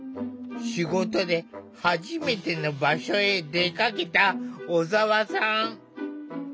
仕事で初めての場所へ出かけた小澤さん。